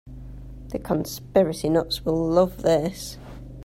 The conspiracy nuts will love this.